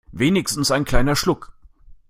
Wenigstens ein kleiner Schluck.